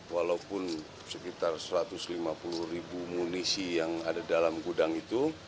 walaupun sekitar satu ratus lima puluh ribu munisi yang ada dalam gudang itu